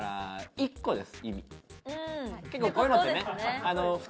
１個です。